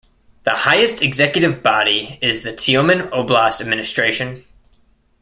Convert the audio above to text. The highest executive body is the Tyumen Oblast Administration.